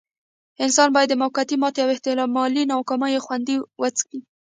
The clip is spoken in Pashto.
انسان بايد د موقتې ماتې او احتمالي ناکاميو خوند وڅکي.